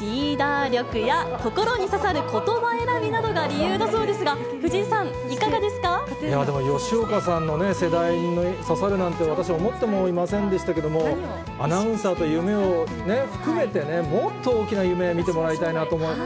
リーダー力や心に刺さることば選びなどが理由だそうですが、でも、吉岡さんの世代に刺さるなんて、私、思ってもいませんでしたけど、アナウンサーという夢を含めてね、もっと大きな夢を見てもらいたいと思います。